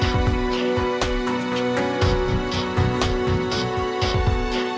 juga mendatang duit berbeda